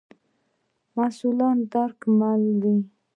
مسوولانه درک مل وي.